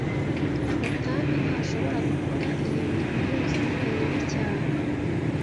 Rutambi ntashobora gukora iyi mirimo yose wenyine cyane